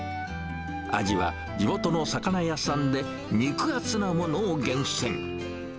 アジは地元の魚屋さんで肉厚なものを厳選。